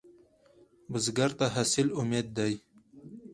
بزګر ته حاصل امید دی